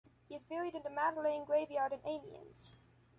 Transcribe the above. He is buried in the Madelaine graveyard in Amiens.